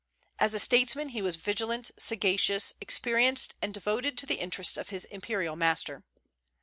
As a statesman he was vigilant, sagacious, experienced, and devoted to the interests of his imperial master.